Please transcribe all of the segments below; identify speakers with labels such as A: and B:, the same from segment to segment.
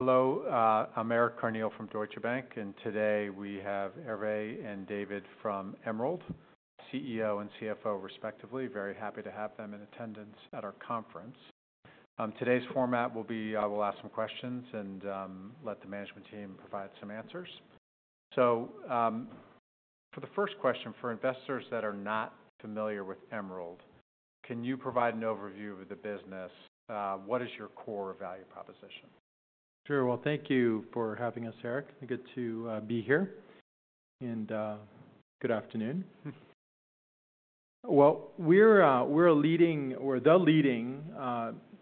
A: Hello, I'm Erik Carneal from Deutsche Bank, and today we have Hervé and David from Emerald, CEO and CFO respectively. Very happy to have them in attendance at our conference. Today's format will be, I will ask some questions and, let the management team provide some answers. For the first question, for investors that are not familiar with Emerald, can you provide an overview of the business? What is your core value proposition?
B: Sure. Well, thank you for having us, Erik. Good to be here, and good afternoon. Well, we're the leading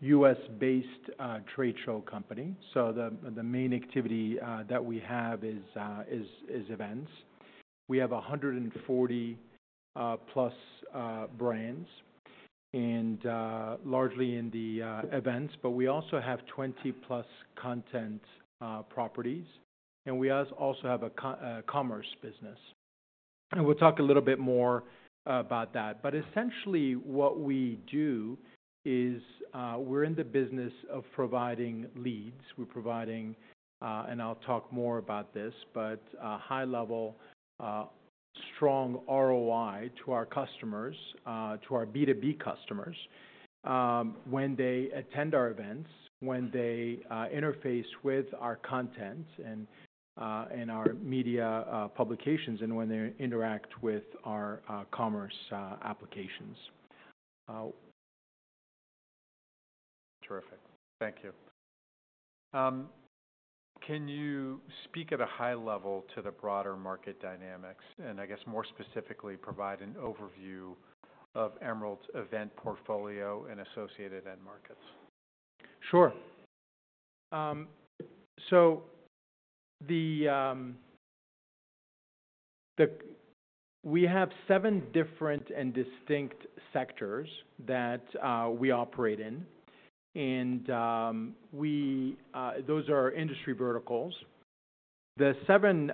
B: US-based trade show company. So the main activity that we have is events. We have 140 plus brands and largely in the events, but we also have 20 plus content properties, and we also have a commerce business. And we'll talk a little bit more about that. But essentially, what we do is we're in the business of providing leads. We're providing, and I'll talk more about this, but at a high level, strong ROI to our customers, to our B2B customers, when they attend our events, when they interface with our content and our media publications, and when they interact with our commerce applications.
A: Terrific. Thank you. Can you speak at a high level to the broader market dynamics, and I guess more specifically, provide an overview of Emerald's event portfolio and associated end markets?
B: Sure. So the We have seven different and distinct sectors that we operate in, and those are our industry verticals. The seven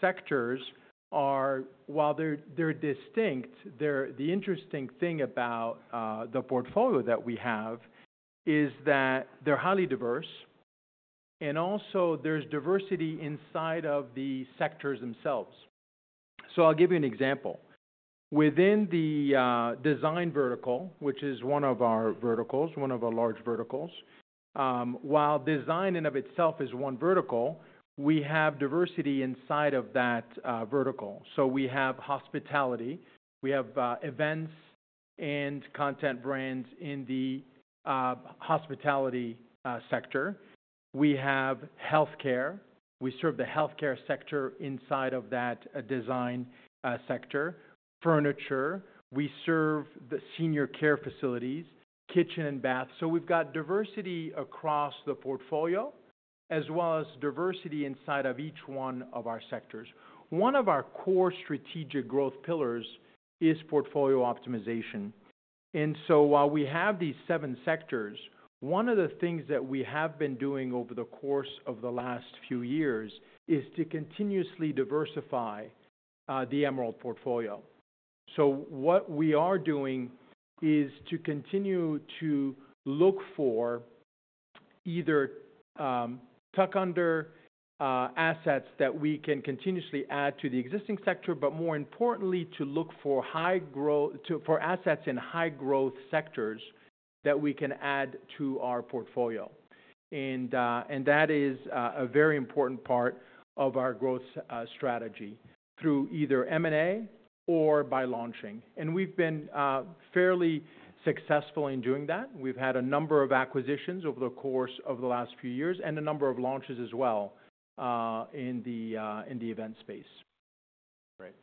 B: sectors are, while they're distinct, the interesting thing about the portfolio that we have is that they're highly diverse, and also there's diversity inside of the sectors themselves. So I'll give you an example. Within the design vertical, which is one of our verticals, one of our large verticals, while design in and of itself is one vertical, we have diversity inside of that vertical. So we have hospitality. We have events and content brands in the hospitality sector. We have healthcare. We serve the healthcare sector inside of that design sector. Furniture. We serve the senior care facilities, kitchen, and bath. So we've got diversity across the portfolio, as well as diversity inside of each one of our sectors. One of our core strategic growth pillars is portfolio optimization. And so while we have these seven sectors, one of the things that we have been doing over the course of the last few years is to continuously diversify the Emerald portfolio. So what we are doing is to continue to look for either tuck under assets that we can continuously add to the existing sector, but more importantly, to look for high growth assets in high growth sectors that we can add to our portfolio. And that is a very important part of our growth strategy through either M&A or by launching. And we've been fairly successful in doing that. We've had a number of acquisitions over the course of the last few years, and a number of launches as well, in the event space.
A: Great.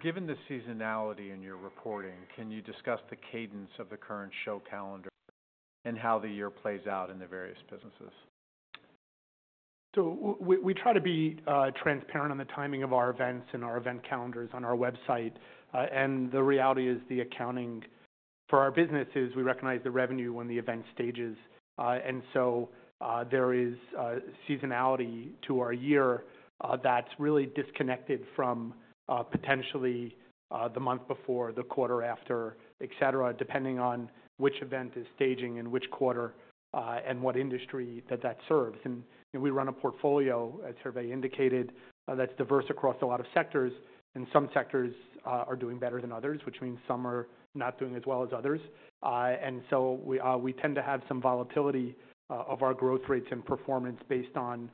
A: Given the seasonality in your reporting, can you discuss the cadence of the current show calendar and how the year plays out in the various businesses?
C: So we try to be transparent on the timing of our events and our event calendars on our website. And the reality is, the accounting for our business is we recognize the revenue when the event stages. And so there is seasonality to our year that's really disconnected from potentially the month before, the quarter after, et cetera, depending on which event is staging in which quarter and what industry that serves. And we run a portfolio, as Hervé indicated, that's diverse across a lot of sectors, and some sectors are doing better than others, which means some are not doing as well as others. And so we tend to have some volatility of our growth rates and performance based on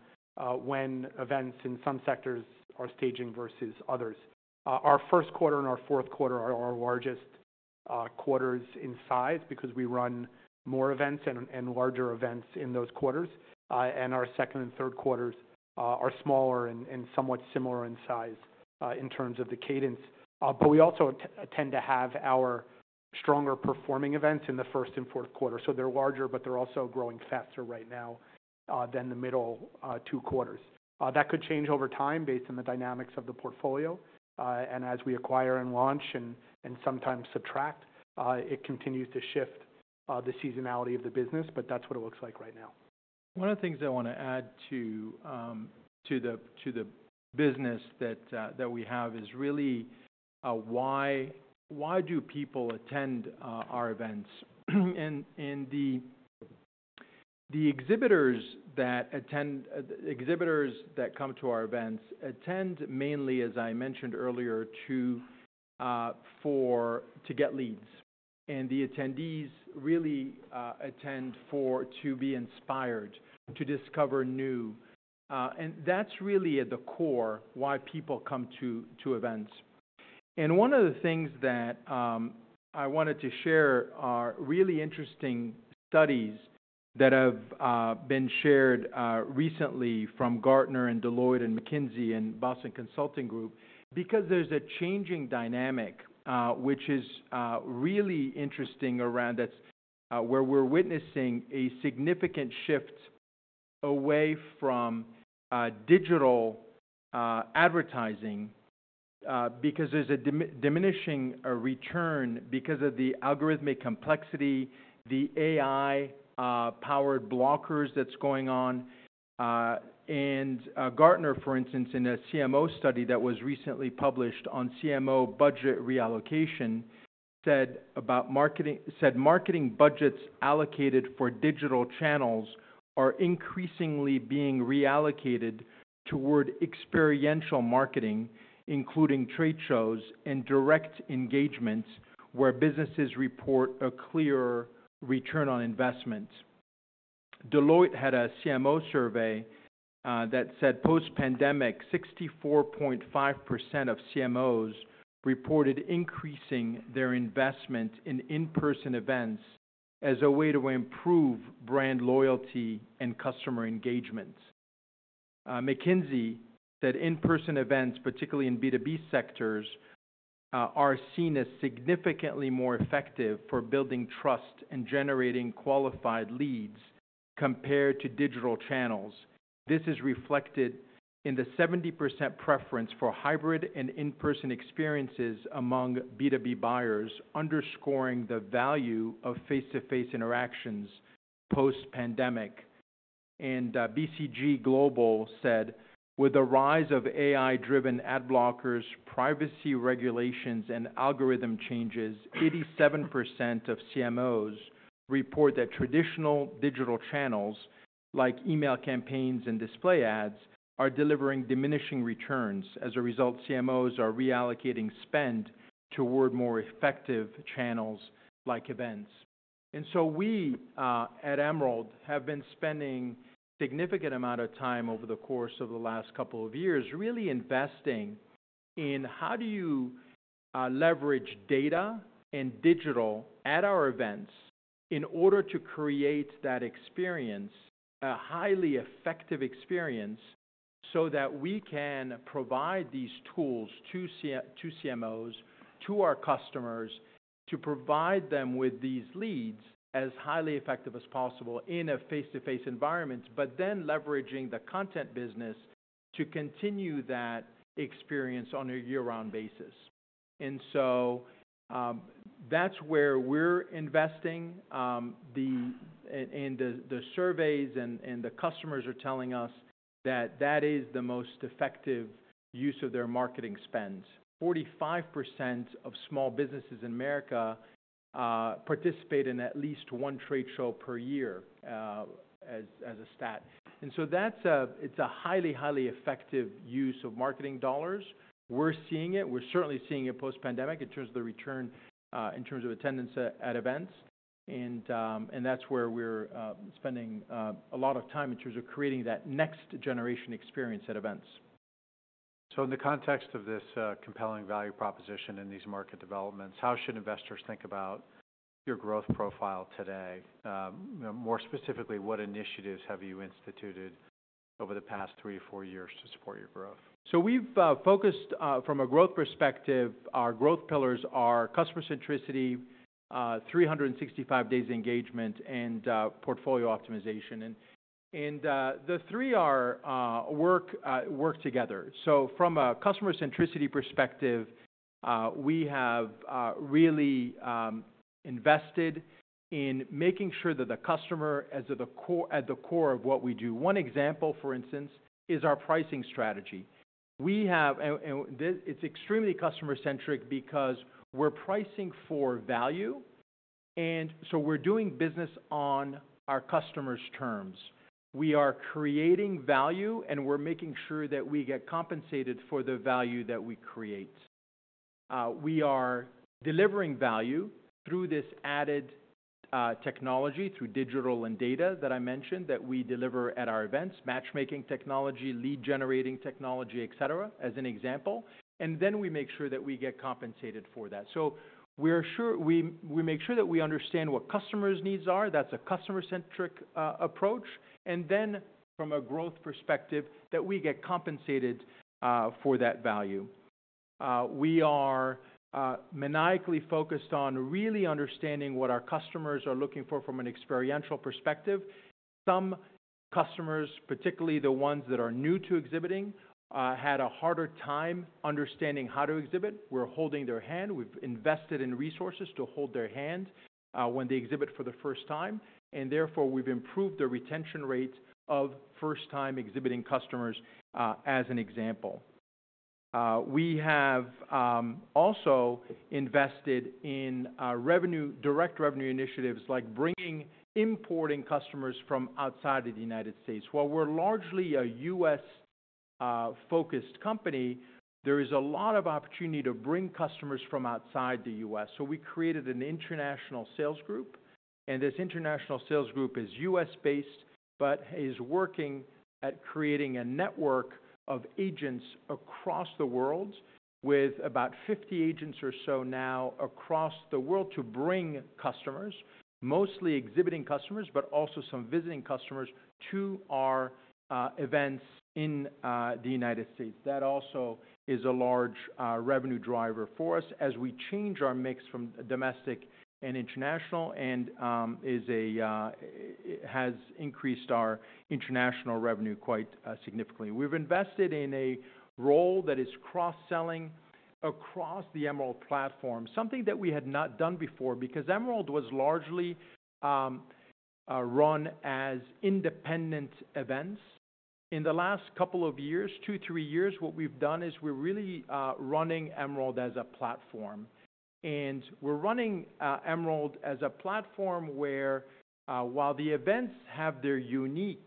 C: when events in some sectors are staging versus others. Our first quarter and our fourth quarter are our largest quarters in size because we run more events and larger events in those quarters, and our second and third quarters are smaller and somewhat similar in size in terms of the cadence, but we also tend to have our stronger performing events in the first and fourth quarter, so they're larger, but they're also growing faster right now than the middle two quarters. That could change over time based on the dynamics of the portfolio, and as we acquire and launch and sometimes subtract, it continues to shift the seasonality of the business, but that's what it looks like right now.
B: One of the things I want to add to the business that we have is really why do people attend our events? The exhibitors that come to our events attend mainly, as I mentioned earlier, to get leads. The attendees really attend to be inspired, to discover new. That's really at the core why people come to events. And one of the things that I wanted to share are really interesting studies that have been shared recently from Gartner and Deloitte and McKinsey and Boston Consulting Group, because there's a changing dynamic which is really interesting around us where we're witnessing a significant shift away from digital advertising because there's a diminishing return because of the algorithmic complexity, the AI powered blockers that's going on. And, Gartner, for instance, in a CMO study that was recently published on CMO budget reallocation, said about marketing: "Marketing budgets allocated for digital channels are increasingly being reallocated toward experiential marketing, including trade shows and direct engagements, where businesses report a clear return on investment." Deloitte had a CMO survey, that said: "Post-pandemic, 64.5% of CMOs reported increasing their investment in in-person events as a way to improve brand loyalty and customer engagement." McKinsey said: "In-person events, particularly in B2B sectors, are seen as significantly more effective for building trust and generating qualified leads compared to digital channels. This is reflected in the 70% preference for hybrid and in-person experiences among B2B buyers, underscoring the value of face-to-face interactions post-pandemic," and BCG Global said: "With the rise of AI-driven ad blockers, privacy regulations, and algorithm changes, 87% of CMOs report that traditional digital channels, like email campaigns and display ads, are delivering diminishing returns. As a result, CMOs are reallocating spend toward more effective channels like events." So we at Emerald have been spending significant amount of time over the course of the last couple of years really investing in how do you leverage data and digital at our events in order to create that experience, a highly effective experience, so that we can provide these tools to CMOs, to our customers, to provide them with these leads as highly effective as possible in a face-to-face environment, but then leveraging the content business to continue that experience on a year-round basis, so that's where we're investing. The surveys and the customers are telling us that that is the most effective use of their marketing spends. 45% of small businesses in America participate in at least one trade show per year as a stat, and so that's a highly, highly effective use of marketing dollars. We're seeing it. We're certainly seeing it post-pandemic in terms of the return in terms of attendance at events, and that's where we're spending a lot of time in terms of creating that next-generation experience at events.
A: In the context of this, compelling value proposition in these market developments, how should investors think about your growth profile today? More specifically, what initiatives have you instituted over the past three or four years to support your growth?
B: So we've focused from a growth perspective, our growth pillars are customer centricity, 365 days engagement, and portfolio optimization. And the three work together. So from a customer centricity perspective, we have really invested in making sure that the customer is at the core, at the core of what we do. One example, for instance, is our pricing strategy. We have--and it's extremely customer-centric because we're pricing for value, and so we're doing business on our customer's terms. We are creating value, and we're making sure that we get compensated for the value that we create. We are delivering value through this added technology, through digital and data that I mentioned, that we deliver at our events, matchmaking technology, lead-generating technology, et cetera, as an example, and then we make sure that we get compensated for that. So we make sure that we understand what customers' needs are, that's a customer-centric approach, and then from a growth perspective, that we get compensated for that value. We are maniacally focused on really understanding what our customers are looking for from an experiential perspective. Some customers, particularly the ones that are new to exhibiting, had a harder time understanding how to exhibit. We're holding their hand. We've invested in resources to hold their hand when they exhibit for the first time, and therefore, we've improved the retention rate of first-time exhibiting customers, as an example. We have also invested in direct revenue initiatives, like importing customers from outside of the United States. While we're largely a U.S. focused company, there is a lot of opportunity to bring customers from outside the U.S. So we created an international sales group, and this international sales group is U.S.-based, but is working at creating a network of agents across the world, with about 50 agents or so now across the world, to bring customers, mostly exhibiting customers, but also some visiting customers, to our events in the United States. That also is a large revenue driver for us as we change our mix from domestic and international, and has increased our international revenue quite significantly. We've invested in a role that is cross-selling across the Emerald platform, something that we had not done before, because Emerald was largely run as independent events. In the last couple of years, two, three years, what we've done is we're really running Emerald as a platform. We're running Emerald as a platform where, while the events have their unique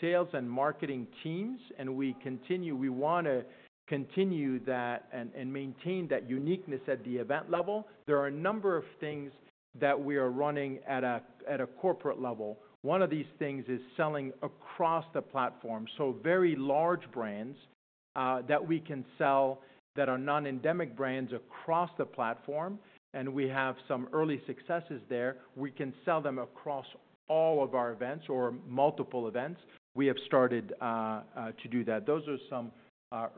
B: sales and marketing teams, and we continue we want to continue that and, and maintain that uniqueness at the event level. There are a number of things that we are running at a corporate level. One of these things is selling across the platform. So very large brands that we can sell that are non-endemic brands across the platform, and we have some early successes there. We can sell them across all of our events or multiple events. We have started to do that. Those are some early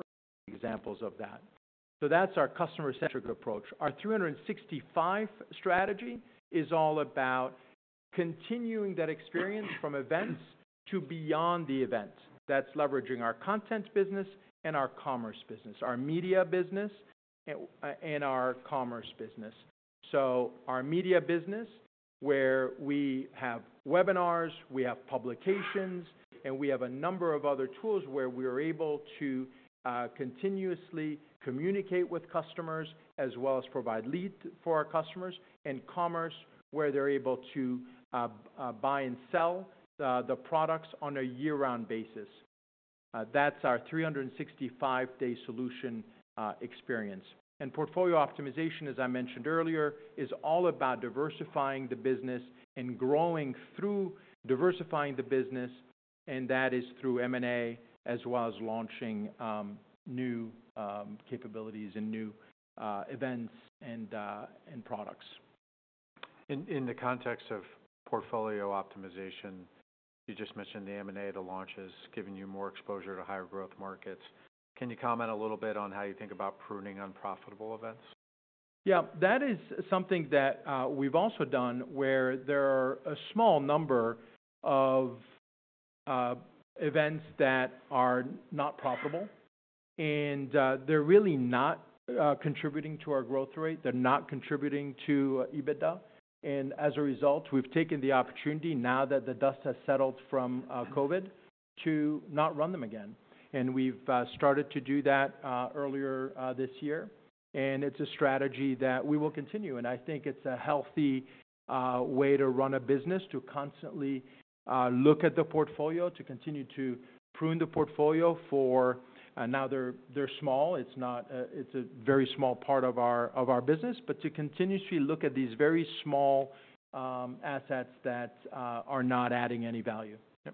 B: examples of that. So that's our customer-centric approach. Our 265 strategy is all about continuing that experience from events to beyond the events. That's leveraging our content business and our commerce business, our media business, and our commerce business. So our media business, where we have webinars, we have publications, and we have a number of other tools where we are able to continuously communicate with customers, as well as provide leads for our customers, and commerce, where they're able to buy and sell the products on a year-round basis. That's our 365-day solution, experience. Portfolio optimization, as I mentioned earlier, is all about diversifying the business and growing through diversifying the business, and that is through M&A, as well as launching new capabilities and new events and products.
A: In the context of portfolio optimization, you just mentioned the M&A, the launch is giving you more exposure to higher growth markets. Can you comment a little bit on how you think about pruning unprofitable events?
B: Yeah, that is something that we've also done, where there are a small number of events that are not profitable, and they're really not contributing to our growth rate. They're not contributing to EBITDA, and as a result, we've taken the opportunity, now that the dust has settled from COVID, to not run them again. And we've started to do that earlier this year, and it's a strategy that we will continue. And I think it's a healthy way to run a business, to constantly look at the portfolio, to continue to prune the portfolio for now, they're small. It's a very small part of our business, but to continuously look at these very small assets that are not adding any value.
A: Yeah,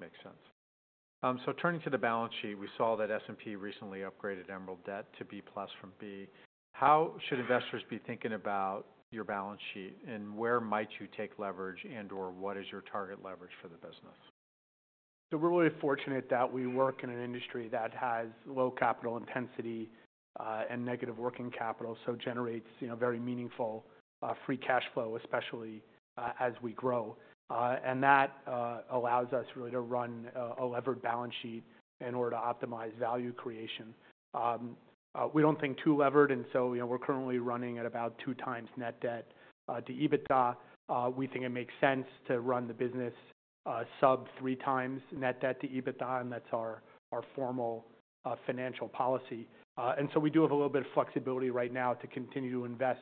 A: makes sense. So turning to the balance sheet, we saw that S&P recently upgraded Emerald debt to B+ from B. How should investors be thinking about your balance sheet, and where might you take leverage, and/or what is your target leverage for the business?
B: So we're really fortunate that we work in an industry that has low capital intensity and negative working capital, so generates, you know, very meaningful free cash flow, especially as we grow. And that allows us really to run a levered balance sheet in order to optimize value creation. We don't think too levered, and so we're currently running at about two times net debt to EBITDA. We think it makes sense to run the business sub three times net debt to EBITDA, and that's our formal financial policy. And so we do have a little bit of flexibility right now to continue to invest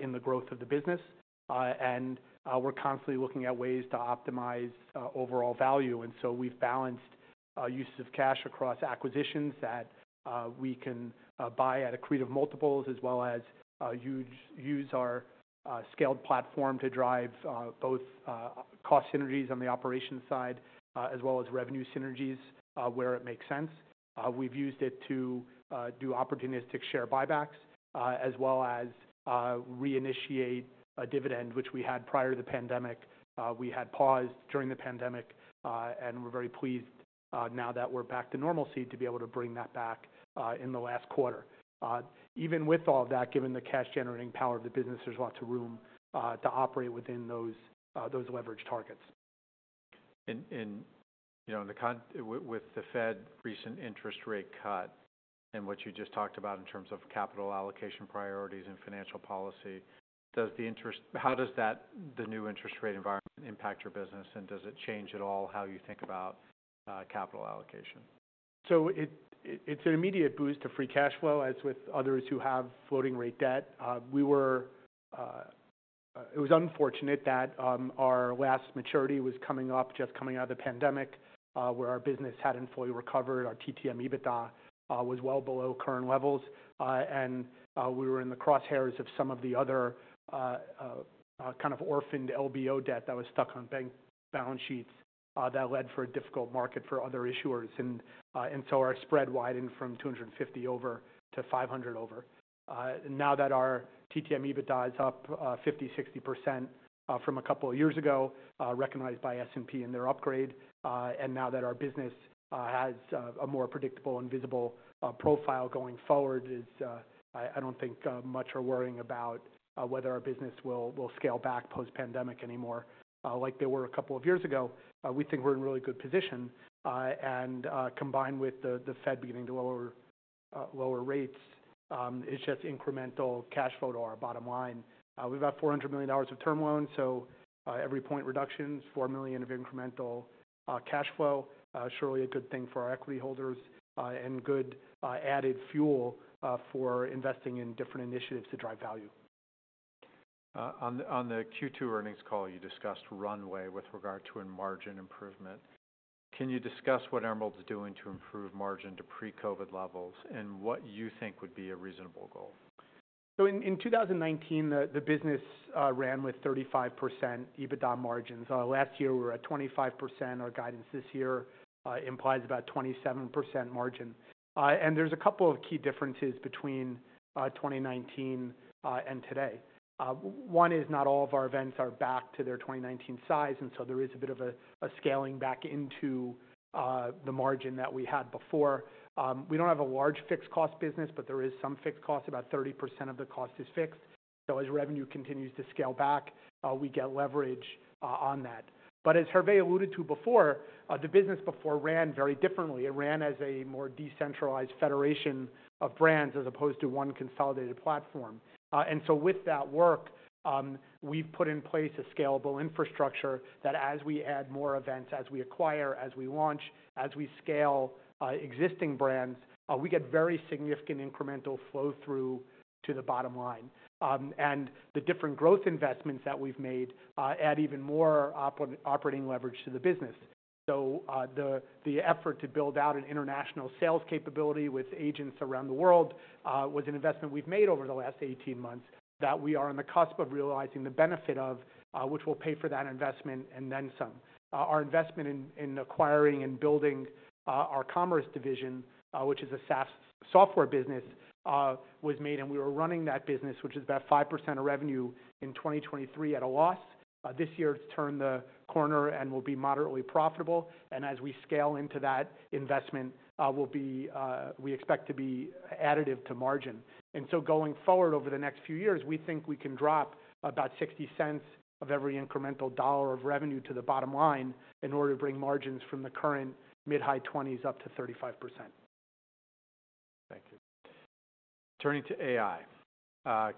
B: in the growth of the business. And we're constantly looking at ways to optimize overall value. We've balanced uses of cash across acquisitions that we can buy at accretive multiples, as well as use our scaled platform to drive both cost synergies on the operations side, as well as revenue synergies where it makes sense. We've used it to do opportunistic share buybacks, as well as reinitiate a dividend, which we had prior to the pandemic. We had paused during the pandemic, and we're very pleased now that we're back to normalcy, to be able to bring that back in the last quarter. Even with all that, given the cash-generating power of the business, there's lots of room to operate within those leverage targets.
A: You know, with the Fed's recent interest rate cut and what you just talked about in terms of capital allocation priorities and financial policy, how does that, the new interest rate environment impact your business, and does it change at all how you think about capital allocation?
C: So it's an immediate boost to free cash flow, as with others who have floating-rate debt. It was unfortunate that our last maturity was coming up, just coming out of the pandemic, where our business hadn't fully recovered. Our TTM EBITDA was well below current levels, and we were in the crosshairs of some of the other kind of orphaned LBO debt that was stuck on bank balance sheets. That led for a difficult market for other issuers, and so our spread widened from 250 over to 500 over. Now that our TTM EBITDA is up 50%-60% from a couple of years ago, recognized by S&P in their upgrade, and now that our business has a more predictable and visible profile going forward, I don't think much are worrying about whether our business will scale back post-pandemic anymore, like they were a couple of years ago. We think we're in a really good position, and combined with the Fed beginning to lower rates, it's just incremental cash flow to our bottom line. We've about $400 million of term loans, so every point reduction, $4 million of incremental cash flow. Surely a good thing for our equity holders, and good added fuel for investing in different initiatives to drive value.
A: On the Q2 earnings call, you discussed runway with regard to a margin improvement. Can you discuss what Emerald is doing to improve margin to pre-COVID levels, and what you think would be a reasonable goal?
C: So in 2019, the business ran with 35% EBITDA margins. Last year, we were at 25%. Our guidance this year implies about 27% margin. And there's a couple of key differences between 2019 and today. One is not all of our events are back to their 2019 size, and so there is a bit of a scaling back into the margin that we had before. We don't have a large fixed cost business, but there is some fixed cost. About 30% of the cost is fixed. So as revenue continues to scale back, we get leverage on that. But as Hervé alluded to before, the business before ran very differently. It ran as a more decentralized federation of brands, as opposed to one consolidated platform. And so with that work, we've put in place a scalable infrastructure that as we add more events, as we acquire, as we launch, as we scale existing brands, we get very significant incremental flow-through to the bottom line, and the different growth investments that we've made add even more operating leverage to the business. The effort to build out an international sales capability with agents around the world was an investment we've made over the last eighteen months that we are on the cusp of realizing the benefit of, which will pay for that investment and then some. Our investment in acquiring and building our commerce division, which is a SaaS software business, was made, and we were running that business, which is about 5% of revenue in 2023, at a loss. This year, it's turned the corner and will be moderately profitable, and as we scale into that investment, we'll be, we expect to be additive to margin. So going forward over the next few years, we think we can drop about $0.60 of every incremental dollar of revenue to the bottom line in order to bring margins from the current mid-high twenties up to 35%.
A: Thank you. Turning to AI,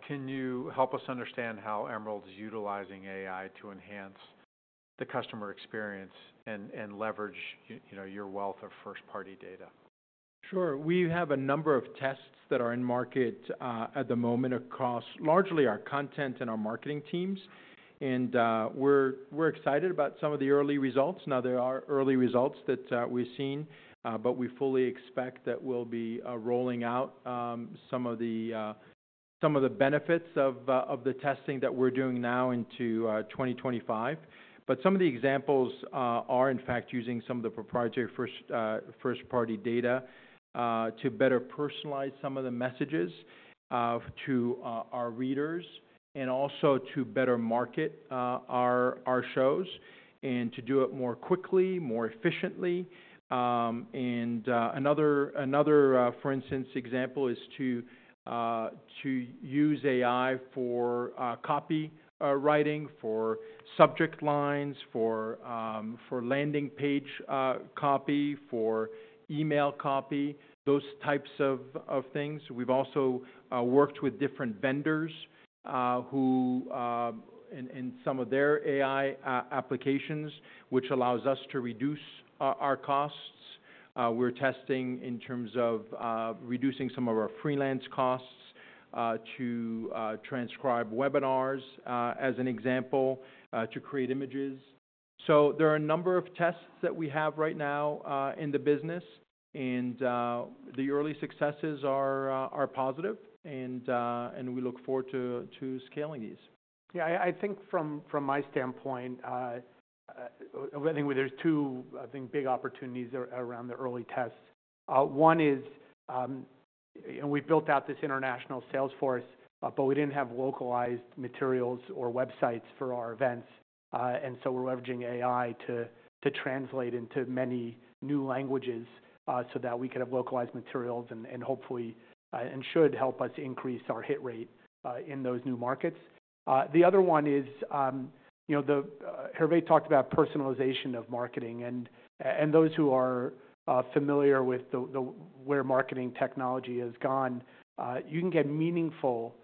A: can you help us understand how Emerald is utilizing AI to enhance the customer experience and leverage you know, your wealth of first-party data?
B: Sure. We have a number of tests that are in market at the moment, across largely our content and our marketing teams. And we're excited about some of the early results. Now, there are early results that we've seen, but we fully expect that we'll be rolling out some of the benefits of the testing that we're doing now into 2025. But some of the examples are in fact using some of the proprietary first-party data to better personalize some of the messages to our readers, and also to better market our shows, and to do it more quickly, more efficiently. And another example is to use AI for copywriting for subject lines for landing page copy for email copy those types of things. We've also worked with different vendors who in some of their AI applications which allows us to reduce our costs. We're testing in terms of reducing some of our freelance costs to transcribe webinars as an example to create images. So there are a number of tests that we have right now in the business and the early successes are positive, and we look forward to scaling these.
C: Yeah, I think from my standpoint, I think there's two big opportunities around the early tests. One is, we've built out this international sales force, but we didn't have localized materials or websites for our events. And so we're leveraging AI to translate into many new languages, so that we could have localized materials, and hopefully should help us increase our hit rate in those new markets. The other one is, Hervé talked about personalization of marketing. And those who are familiar with the where marketing technology has gone, you can get meaningful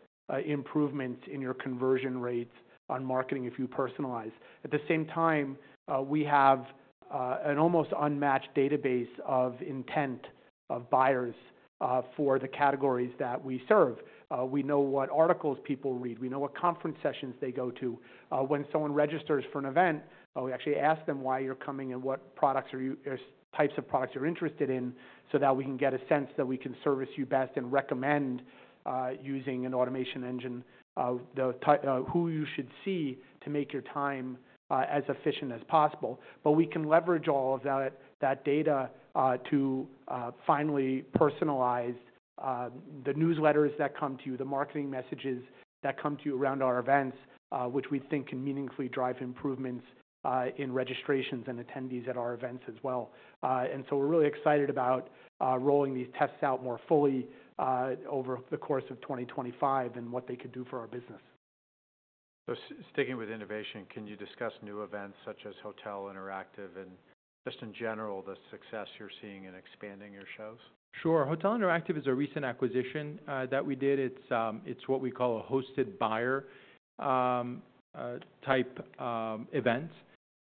C: improvements in your conversion rates on marketing if you personalize. At the same time, we have an almost unmatched database of intent of buyers for the categories that we serve. We know what articles people read. We know what conference sessions they go to. When someone registers for an event, we actually ask them why you're coming and what products or types of products you're interested in, so that we can get a sense that we can service you best and recommend, using an automation engine, who you should see to make your time as efficient as possible, but we can leverage all of that data to finally personalize the newsletters that come to you, the marketing messages that come to you around our events, which we think can meaningfully drive improvements in registrations and attendees at our events as well. And so we're really excited about rolling these tests out more fully over the course of 2025 and what they could do for our business.
A: So sticking with innovation, can you discuss new events such as Hotel Interactive and just in general, the success you're seeing in expanding your shows?
B: Sure. Hotel Interactive is a recent acquisition that we did. It's what we call a hosted buyer type event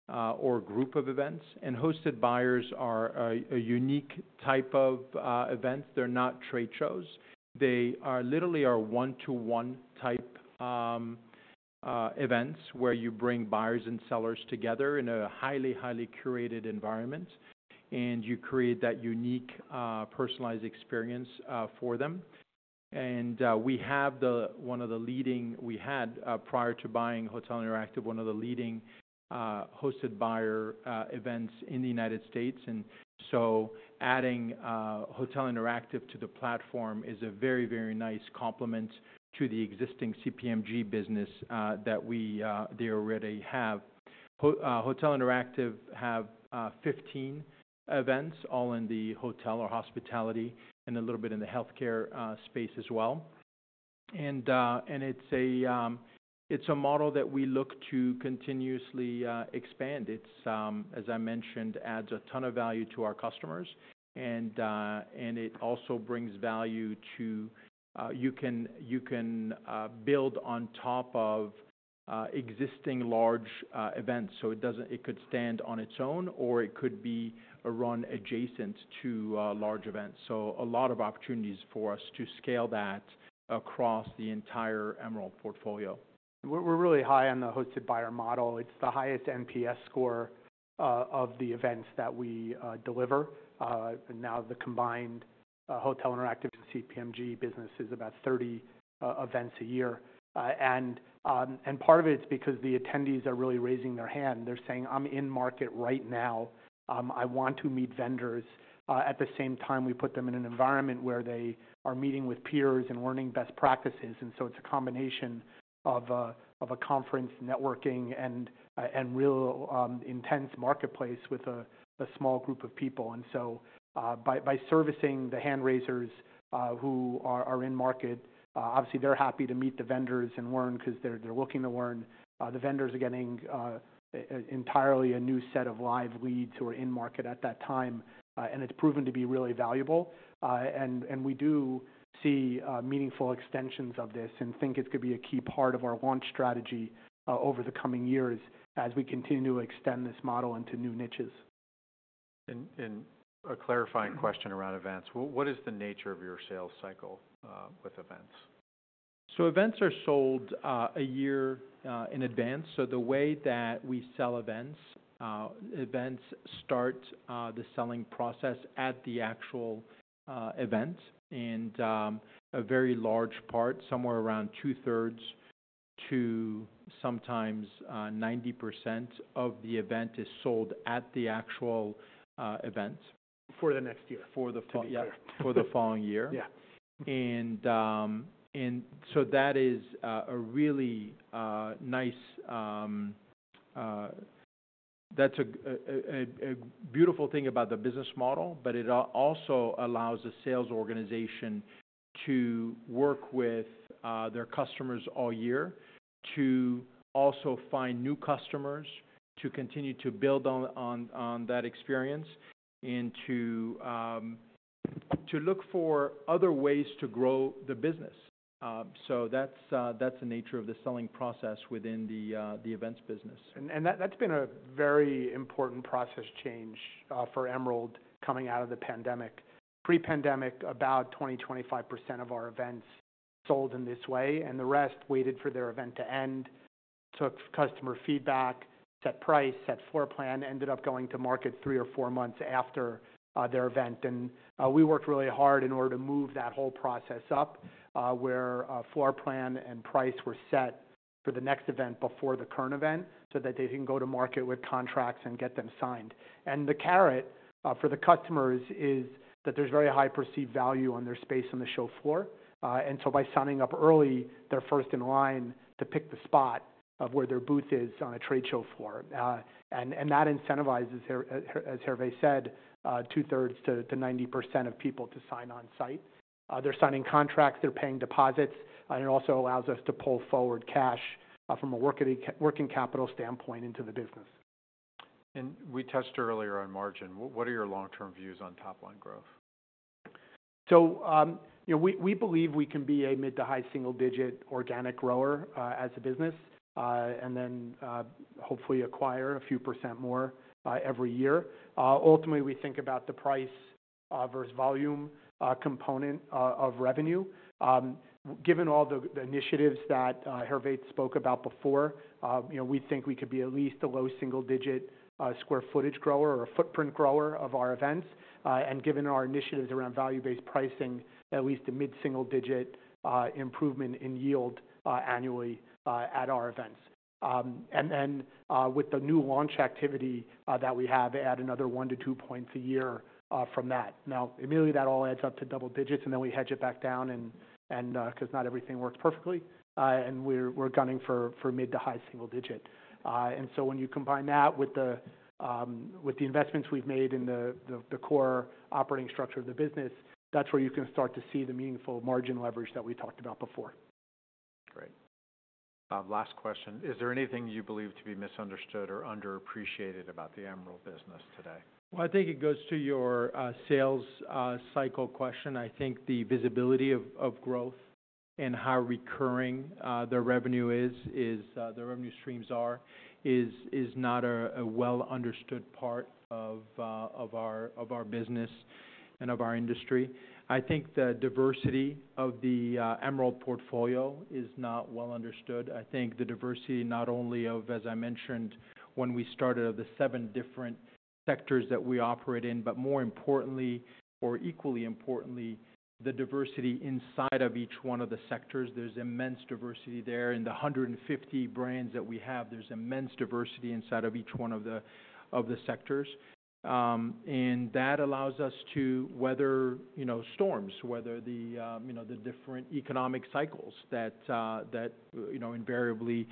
B: or group of events. And hosted buyers are a unique type of event. They're not trade shows. They are literally one-to-one type events, where you bring buyers and sellers together in a highly curated environment, and you create that unique personalized experience for them. And we had, prior to buying Hotel Interactive, one of the leading hosted buyer events in the United States. And so adding Hotel Interactive to the platform is a very nice complement to the existing CPMG business that they already have. Hotel Interactive have 15 events, all in the hotel or hospitality, and a little bit in the healthcare space as well. And it's a model that we look to continuously expand. It's as I mentioned, adds a ton of value to our customers, and it also brings value to you can build on top of existing large events. So it could stand on its own, or it could be run adjacent to large events. So a lot of opportunities for us to scale that across the entire Emerald portfolio.
C: We're really high on the hosted buyer model. It's the highest NPS score of the events that we deliver. Now, the combined Hotel Interactive and CPMG business is about 30 events a year, and part of it's because the attendees are really raising their hand. They're saying, "I'm in market right now. I want to meet vendors." At the same time, we put them in an environment where they are meeting with peers and learning best practices, and so it's a combination of a conference, networking, and real intense marketplace with a small group of people, and so by servicing the hand raisers who are in market, obviously, they're happy to meet the vendors and learn 'cause they're looking to learn. The vendors are getting entirely a new set of live leads who are in market at that time, and it's proven to be really valuable. We do see meaningful extensions of this and think it's gonna be a key part of our launch strategy over the coming years as we continue to extend this model into new niches.
A: A clarifying question around events: What is the nature of your sales cycle with events?
B: So events are sold a year in advance. So the way that we sell events, events start the selling process at the actual event. And a very large part, somewhere around 2/3s to sometimes 90% of the event, is sold at the actual event.
C: For the next year. To be clear.
B: Yeah, for the following year. That is a really nice. That's a beautiful thing about the business model, but it also allows the sales organization to work with their customers all year, to also find new customers, to continue to build on that experience, and to look for other ways to grow the business. That's the nature of the selling process within the events business.
C: That's been a very important process change for Emerald coming out of the pandemic. Pre-pandemic, about 20%-25% of our events sold in this way, and the rest waited for their event to end, took customer feedback, set price, set floor plan, ended up going to market three or four months after their event. We worked really hard in order to move that whole process up, where a floor plan and price were set for the next event before the current event, so that they can go to market with contracts and get them signed. The carrot for the customers is that there's very high perceived value on their space on the show floor. So by signing up early, they're first in line to pick the spot of where their booth is on a trade show floor. And that incentivizes, as Hervé said, two-thirds to 90% of people to sign on-site. They're signing contracts, they're paying deposits, and it also allows us to pull forward cash from a working capital standpoint into the business.
A: We touched earlier on margin. What, what are your long-term views on top-line growth?
C: So, we believe we can be a mid- to high-single-digit organic grower, as a business, and then, hopefully acquire a few percent more, every year. Ultimately, we think about the price, versus volume, component, of revenue. Given all the initiatives that Hervé spoke about before, you know, we think we could be at least a low-single-digit square footage grower or a footprint grower of our events. And given our initiatives around value-based pricing, at least a mid-single-digit improvement in yield, annually, at our events. And then, with the new launch activity that we have, add another one to two points a year, from that. Now, immediately, that all adds up to double digits, and then we hedge it back down and 'cause not everything works perfectly. And we're gunning for mid to high single digit. And so when you combine that with the investments we've made in the core operating structure of the business, that's where you can start to see the meaningful margin leverage that we talked about before.
A: Great. Last question: Is there anything you believe to be misunderstood or underappreciated about the Emerald business today?
B: Well, I think it goes to your sales cycle question. I think the visibility of growth and how recurring the revenue is not a well-understood part of our business and of our industry. I think the diversity of the Emerald portfolio is not well understood. I think the diversity, not only of, as I mentioned when we started, of the seven different sectors that we operate in, but more importantly, or equally importantly, the diversity inside of each one of the sectors. There's immense diversity there. In the 150 brands that we have, there's immense diversity inside of each one of the sectors. And that allows us to weather, storms, weather the, you know, the different economic cycles that, you know, invariably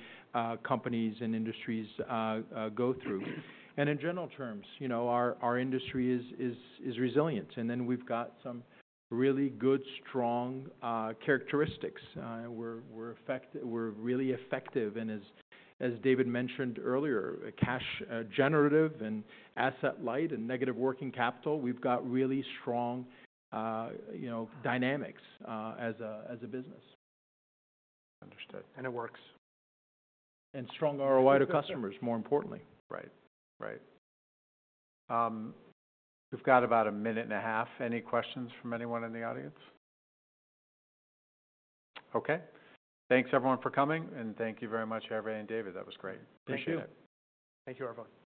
B: companies and industries go through. And in general terms, our industry is resilient, and then we've got some really good, strong characteristics. We're really effective, and as David mentioned earlier, cash generative and asset light and negative working capital. We've got really strong dynamics as a business.
A: Understood.
C: It works.
B: Strong ROI to customers, more importantly.
A: Right. We've got about a minute and a half. Any questions from anyone in the audience? Okay. Thanks, everyone, for coming, and thank you very much, Hervé and David. That was great.
C: Thank you.
A: Appreciate it.
C: Thank you, everyone.